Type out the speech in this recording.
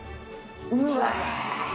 うわ！